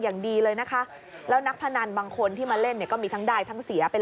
อย่างดีเลยนะคะแล้วนักพนันบางคนที่มาเล่นเนี่ยก็มีทั้งได้ทั้งเสียเป็น